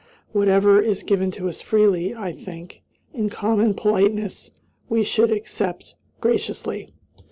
Whatever is given to us freely, I think, in common politeness, we should accept graciously.